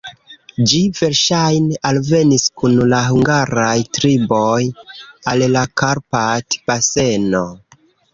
Ĝi verŝajne alvenis kun la hungaraj triboj al la Karpat-baseno.